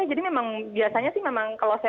jadi memang biasanya sih memang kalau saya